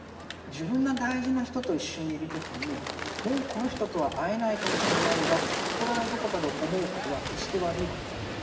自分の大事な人と一緒にいる時にもうこの人とは会えないかもしれないんだって心のどこかで思うことは決して悪いことじゃないんだと思うんですよね。